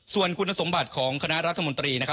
ส่วนคุณสมบัติของคณะรัฐมนตรี